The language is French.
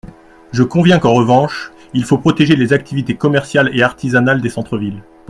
Je conviens qu’en revanche, il faut protéger les activités commerciales et artisanales des centres-villes.